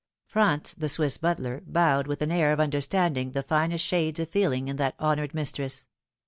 Franz, the Swiss butler, bowed with an air of understanding the finest shades of feeling in that honoured mistress.